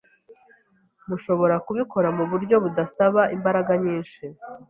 Mushobora kubikora mu buryo budasaba imbaraga nyinshi.